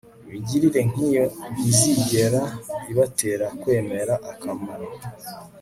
Imigirire nkiyo ntizigera ibatera kwemera akamaro